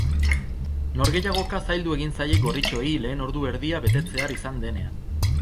Norgehiagoka zaildu egin zaie gorritxoei lehen ordu erdia betetzear izan denean.